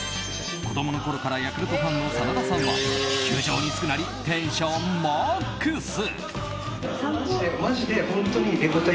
子供のころからヤクルトファンの真田さんは球場に着くなりテンションマックス！